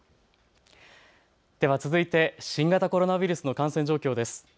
では続いて新型コロナウイルスの感染状況です。